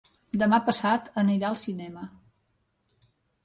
Demà passat anirà al cinema.